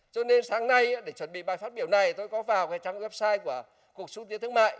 cho nên sáng nay để chuẩn bị bài phát biểu này tôi có vào trang website của cục xúc tiến thương mại